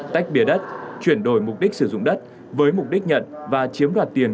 tách biệt đất chuyển đổi mục đích sử dụng đất với mục đích nhận và chiếm đoạt tiền